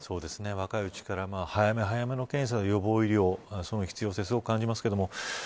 若いうちから早め早めの検査予防医療、その必要性を感じますけれども。